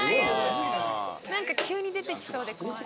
何か急に出てきそうで怖い。